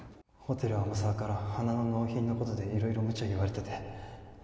ホテル天沢から花の納品のことで色々無茶言われてて